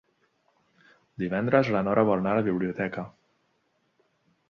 Divendres na Nora vol anar a la biblioteca.